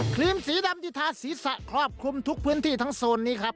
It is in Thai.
รีมสีดำที่ทาศีรษะครอบคลุมทุกพื้นที่ทั้งโซนนี้ครับ